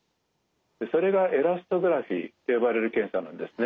それがエラストグラフィと呼ばれる検査なんですね。